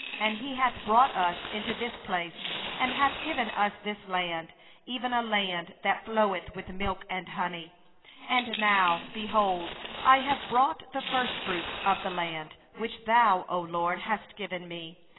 9And He hath brought us into this place, and hath given us this land, a land flowing with milk and honey. 10And now, behold, I have brought the first of the fruit of the land, which Thou, O LORD, hast given me.